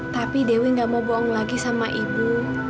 tapi dewi gak mau bohong lagi sama ibu